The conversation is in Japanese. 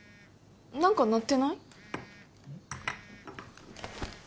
何か鳴ってない？